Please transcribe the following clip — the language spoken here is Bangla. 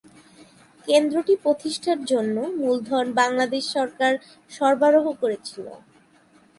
কেন্দ্রটি প্রতিষ্ঠার জন্য মূলধন বাংলাদেশ সরকার সরবরাহ করেছিল।